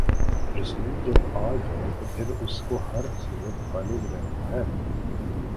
رسول جب آ جائے تو پھر اس کو ہر صورت غالب رہنا ہے۔